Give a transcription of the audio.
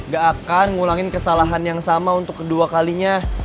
gak akan ngulangin kesalahan yang sama untuk kedua kalinya